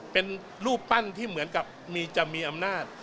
เป็นรูปปั้นที่เหมือนกับมีจะมีอำนาจ